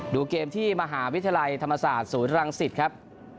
ดูเกมที่มหาวิทยาลัยธรรมศาสตร์ศูนย์รังสิตครับ